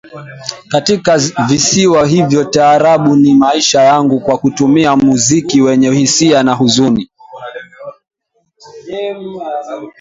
katika visiwa hivyo Taarabu ni maisha yangu Kwa kutumia muziki wenye hisia na huzuni